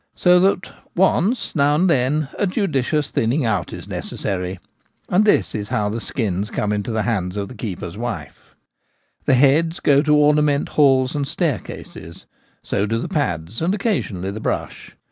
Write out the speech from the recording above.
So that once now and then a judicious thinning out is necessary ; and this is how the skins come into the hands of the keeper's wife. The heads go to ornament halls and staircases ; so do the pads and occasionally the brush.